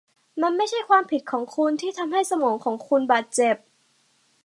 มันไม่ใช่ความผิดของคุณที่ทำให้สมองของคุณบาดเจ็บ